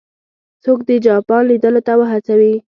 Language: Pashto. څوک د جاپان لیدلو ته وهڅوي.